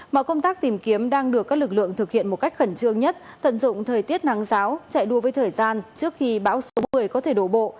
mọi công tác tìm kiếm đang được các lực lượng thực hiện một cách khẩn trương nhất tận dụng thời tiết nắng giáo chạy đua với thời gian trước khi bão số một mươi có thể đổ bộ